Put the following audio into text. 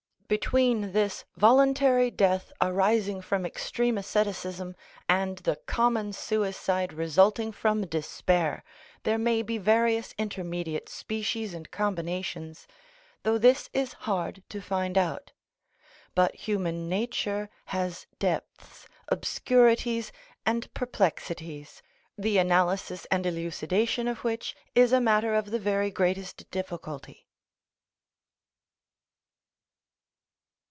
Between this voluntary death arising from extreme asceticism and the common suicide resulting from despair there may be various intermediate species and combinations, though this is hard to find out. But human nature has depths, obscurities, and perplexities, the analysis and elucidation of which is a matter of the very greatest difficulty.